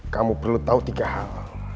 kamu perlu tahu tiga hal